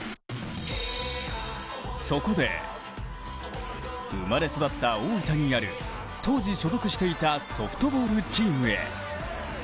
そこで、生まれ育った大分にある当時所属していたソフトボールチームへ。